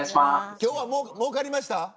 今日はもうかりました？